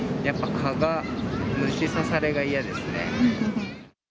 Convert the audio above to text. やっぱ蚊が、虫刺されが嫌ですね。